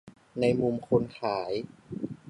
ในมุมคนขาย